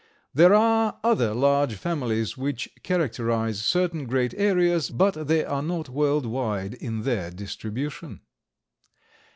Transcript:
There are other large families which characterize certain great areas, but they are not world wide in their distribution.